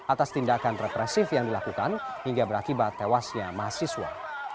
atas tindakan represif yang dilakukan hingga berakibat tewasnya mahasiswa